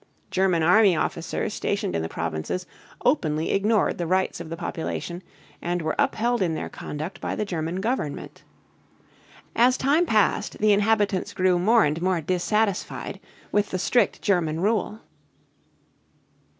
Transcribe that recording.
German army officers stationed in the provinces openly ignored the rights of the population and were upheld in their conduct by the German government. As time passed the inhabitants grew more and more dissatisfied with the strict German rule.